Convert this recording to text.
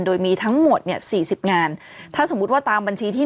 โดยมีทั้งหมด๔๐งานถ้าสมมติว่าตามบัญชีที่๑